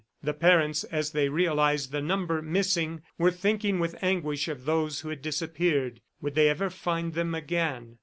The parents, as they realized the number missing, were thinking with anguish of those who had disappeared. Would they ever find them again?